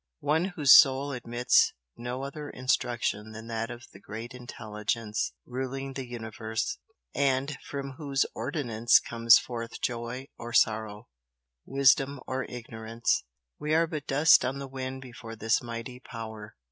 one whose soul admits no other instruction than that of the Great Intelligence ruling the universe, and from whose ordinance comes forth joy or sorrow, wisdom or ignorance. We are but dust on the wind before this mighty power!